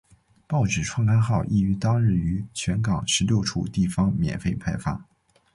报纸创刊号亦于当日于全港十六处地方免费派发。